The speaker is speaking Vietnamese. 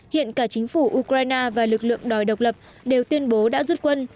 hiện cả chính phủ ukraine và lực lượng đòi độc lập đều tuyên bố đã rút quân